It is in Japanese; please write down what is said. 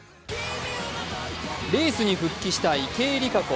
レースに復帰した池江璃花子。